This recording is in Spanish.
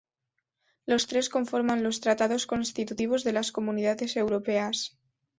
Los tres conforman los "Tratados Constitutivos" de las Comunidades Europeas.